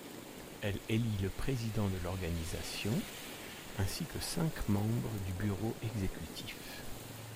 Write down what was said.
Elle élit le Président de l’organisation ainsi que cinq membres du Bureau exécutif.